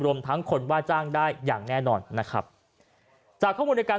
รวมทั้งคนว่าจ้างได้อย่างแน่นอนนะครับจากข้อมูลในการ